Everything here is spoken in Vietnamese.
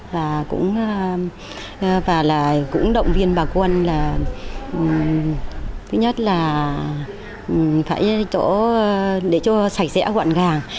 và cũng động viên bà quân là thứ nhất là phải chỗ để cho sạch sẽ hoạn gàng